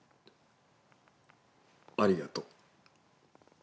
ありがとう。